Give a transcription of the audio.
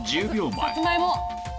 サツマイモ。